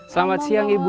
selamat siang ibu